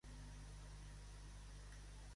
Tot i això, qui va posar fi a la vida d'Esfandiyār?